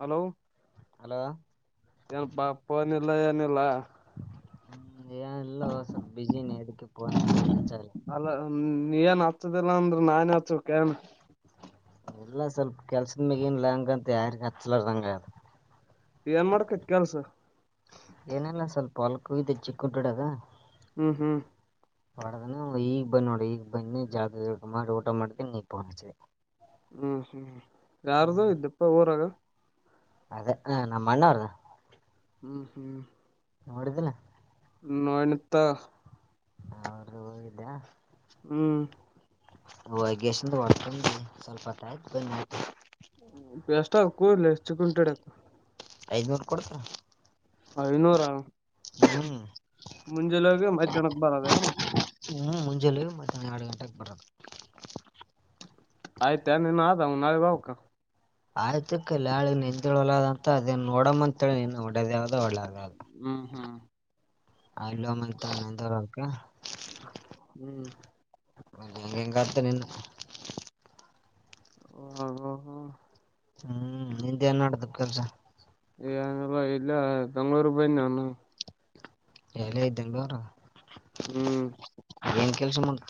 Hello hello ತನ್ಪಾ phone ಇಲ್ಲಾ ಎನ್ ಇಲ್ಲಾ ಹ್ಮ್ ಏನ್ ಇಲ್ಲೋ ಸಲ್ಪ ಬಿಜಿಇನಿ ಅದಕ ಪೊನ್ ಹಚದಿಲ ಅಲ್ಲ ನಿ ಏನ್ ಹತ್ತದಿಲ್ಲ ಅಂದ್ರ ನಾನೇ ಹಚ್ಚನೆಕೆನ್ ಇಲ್ಲ ಸ್ವಲ್ಪ ಕೆಲ್ಸದ ಮ್ಯಾಗ ಇನ್ಲ ಹಂಗಾಗಿ ಯಾರಿಗಿ ಹಚ್ಲಾರಂಗ ಆಗ್ಯಾದ ಏನ್ ಮಾಡ್ಕತ್ತಿ ಕೆಲ್ಸ ಏನಿಲ್ಲ ಸ್ವಲ್ಪ ಹೊಲ್ಕ್ ಹೊಗಿದ್ಯಾ ಚಿಕ್ಕುಂಟಿ ಹೊಡ್ಯಾಕ ಹ್ಮ್ ಹ್ಮ್ ಒದ ಈಗ ಬನ್ನಿ ನೋಡ ಈಗ ಬನ್ನಿ ಜಳಕ ಗಿಳಕ ಮಾಡಿ ಊಟ ಮಾಡಿ ಈಗ ಪೊನ್ ಹಚ್ಚಿದೆ ಹ್ಮ್ ಹ್ಮ್ ಯಾರ್ದು ಇದ್ದಪ್ಪ ಊರಾಗ ಅದೇ ಹ ನಮ್ಮ ಅಣ್ಣವ್ರದ್ ಹ್ಮ್ ಹ್ಮ್ ನೋಡಿದ್ದಿಲ್ಲ ನೊಡ್ನಿ ತೊ ಅವರು ಹೋಗಿದ್ದ್ಯಾ ಹ್ಮ್ ಹೊಗ್ಗೆಶಿ [inaudible] ಸಲ್ಪಟಾಯ ಬಂದತ ಎಷ್ಟದ ಕೂಲಿಷ್ಟ ಚಿಕ್ಕ್ಉಂಟಿ ಹೊಡ್ಯಾಕ ಐದ್ನೂರು ಕೊಡ್ತರ ಐನೂರ ಹ್ಮ್ ಮುಂಜೆಲೋಗೆ ಮಧ್ಯಾಹನಕ್ಕೆ ಬರದ ಎನ್ ಹ್ಮ್ ಮುಂಜಾಲೆ ಮಧ್ಯಾಹ್ನ ಯಾಡ್ ಗಂಟೆಕ್ ಬರದ ಆಯ್ತಾ ನೀನ್ ಆದ್ ನಳಗಳಕ ಆಯ್ತಕ್ಕಲ್ಲ ಅವಳಿಗೆ ನಿಂದೆ ಹೊಲ ಅದ ಅಂತ ಅದನ್ ನೋಡಮ್ ಅಂತ ನೋಡೋದೇದೆ ಇಲ್ಲಾ ಅಂತ ಹ್ಮ್ ಹ್ಮ್ ಅಲ್ಲಮ್ಮಂತಂತರಕ್ಕ ಹ್ಮ್ ರಿಂಗತ್ತ ನಿನ್ನ ಹ್ಮ ಹ್ಮ ಹ್ಮ. ಹ್ಮ ನಿಂದೇನ ನಡದ ಕೆಲ್ಸ ಏನಿಲ್ಲ ಇಲ್ಲೇ ಬೆಂಗಳೂರಗ ಬನ್ನಿ ನಾನು. ಎಲ್ಲ ಅದ್ ಬೆಂಗಳೂರ ಹ್ಮ್ ಅಲ್ಲೆನ ಕೆಲ್ಸ ನಿಂದು.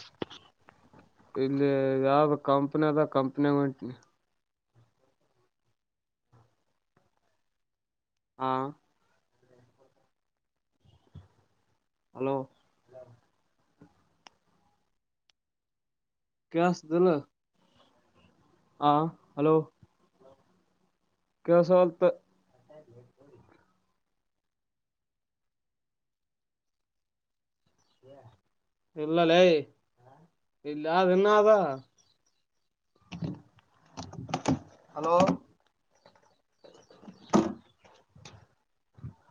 ಇಲ್ಲಿ ಯಾವ್ದ ಕಂಪನಿ ಅದ ಕಂಪ್ನಿಗ ಹೊಂಟೀನಿ. ಹಾ ಹಲೋ ಗ್ಯಾಸ್ ಬಿಲ್ಲ್ ಹಾ ಹಲೋ ಕೆಳಸವಲ್ತ [unintelligible] ಇಲ್ಲಲ್ಲೇ ಇಲ್ಲ್ಯಾ ಇನ್ನ್ ಅದ ಹಲೋ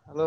ಹಲೋ